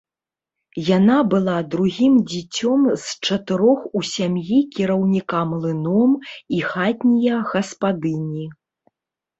Яна была другім дзіцём з чатырох у сям'і кіраўніка млыном і хатнія гаспадыні.